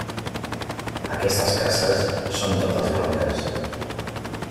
Aquestes cases són totes blanques.